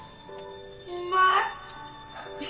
うまい！